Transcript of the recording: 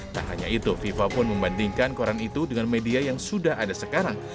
tak hanya itu fifa pun membandingkan koran itu dengan media yang sudah ada sekarang